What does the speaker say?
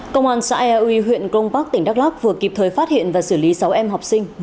công an xã eoe huyện công park tỉnh đắk lắk vừa kịp thời phát hiện và xử lý sáu em học sinh